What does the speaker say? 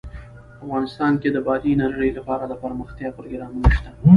افغانستان کې د بادي انرژي لپاره دپرمختیا پروګرامونه شته.